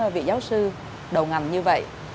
vị giáo sư đầu ngành như vậy